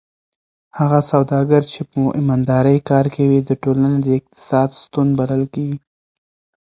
هغه سوداګر چې په امانتدارۍ کار کوي د ټولنې د اقتصاد ستون بلل کېږي.